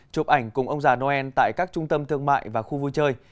chụp ảnh cùng ông già noel tại các trung tâm thương mại và khu vui chơi